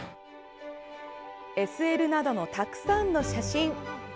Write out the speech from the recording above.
ＳＬなどのたくさんの写真。